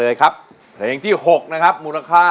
เยี่ยม